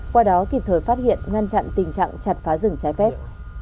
qua đó kịp thời phát hiện ngăn chặn tình trạng chặt phá rừng trái phép